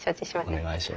お願いします。